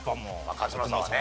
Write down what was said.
勝村さんはね。